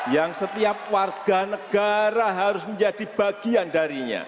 yang setiap warga negara harus menjadi bagian darinya